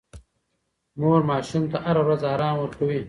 مور ماشوم ته هره ورځ ارام ورکوي.